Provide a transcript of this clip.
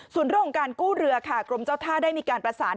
ส่วนโลกการกู้เรือกรมเจ้าท่าได้มีการประสาน